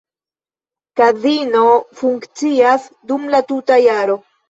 Kazino funkcias dum la tuta jaro.